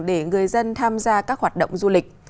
để người dân tham gia các hoạt động du lịch